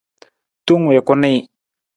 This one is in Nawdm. Tong wii ku nii.